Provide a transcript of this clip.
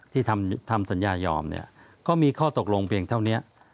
ที่ทำสัญญายอมเนี่ยก็มีข้อตกลงเพียงเท่านี้